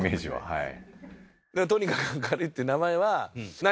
はい。